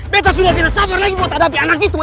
beta sudah tidak sabar lagi buat ngadepi anak gitu ya